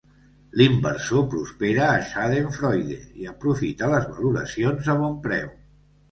L'inversor prospera a Schadenfreude i aprofita les valoracions a bon preu.